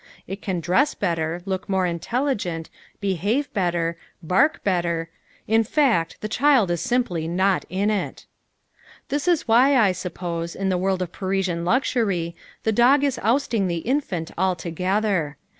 It can dress better, look more intelligent, behave better, bark better, in fact, the child is simply not in it. [Illustration: The Parisian dog.] This is why, I suppose, in the world of Parisian luxury, the dog is ousting the infant altogether.